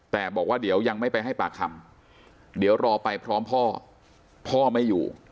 แต่บอกว่าเดี๋ยวยังไม่ไปให้ปากคำเดี๋ยวรอไปพร้อมพ่อพ่อไม่อยู่